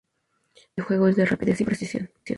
Su estilo de juego es de rapidez y precisión.